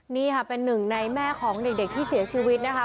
นี่ค่ะเป็นหนึ่งในแม่ของเด็กที่เสียชีวิตนะคะ